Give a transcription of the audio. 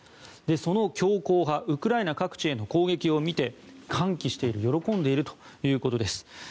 その強硬派ウクライナ各地への攻撃を見て歓喜している喜んでいるということです。